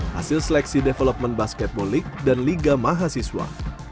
hasil seleksi development basketball league dan liga mahasiswa